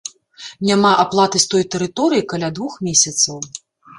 Няма аплаты з той тэрыторыі каля двух месяцаў.